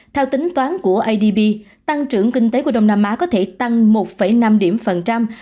theo tính toán của adb tăng trưởng kinh tế của đông nam á có thể tăng một năm điểm phần trăm